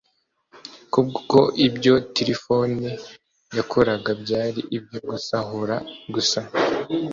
kuko ibyo tirifoni yakoraga byari ibyo gusahura gusa